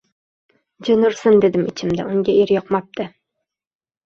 Jin ursin, dedim ichmida, unga er yoqmabdi